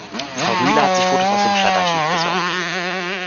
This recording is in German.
Frau Rühle hat sich Fotos aus dem Stadtarchiv besorgt.